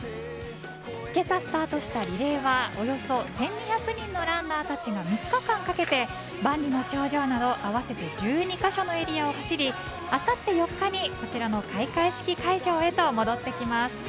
けさスタートしたリレーはおよそ１２００人のランナーたちが３日間かけて万里の長城など合わせて１２カ所のエリアを走りあさって４日にこちらの開会式会場へと戻ってきます。